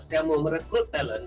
saya mau merekrut talent